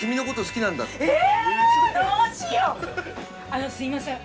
あのすいません。